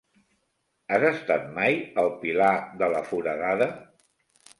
Has estat mai al Pilar de la Foradada?